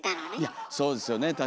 いやそうですよね